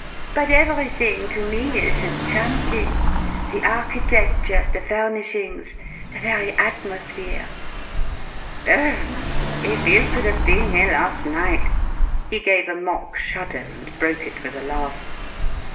But everything to me is enchanting! The architecture, the furnishings, the very atmosphere " "Brrh! If you could have been here last night!" He gave a mock shudder and broke it with a laugh.